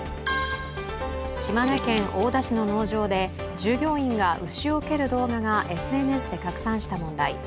島根県大田市の農場で従業員が牛を蹴る動画がＳＮＳで拡散した問題。